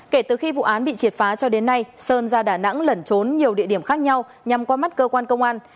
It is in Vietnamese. kể từ khi vụ án bị triệt phá cho đến nay sơn ra đà nẵng lẩn trốn nhiều địa điểm khác nhau nhằm qua mắt cơ quan công an